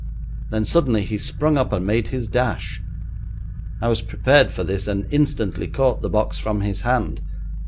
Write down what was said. Then suddenly he sprung up and made his dash. I was prepared for this, and instantly caught the box from his hand.